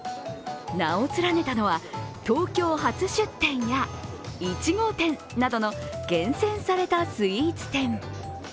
名を連ねたのは、東京初出店や１号店などの厳選されたスイーツ店。